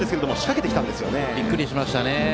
びっくりしました。